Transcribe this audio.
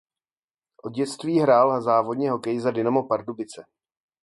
Od dětství hrál hrál závodně hokej za Dynamo Pardubice.